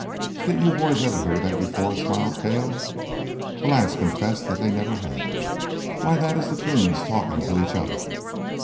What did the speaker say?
"Didn't you boys ever hear that before?" smiled Cale. The lads confessed that they never had. "Why, that is the 'coons talking to each other."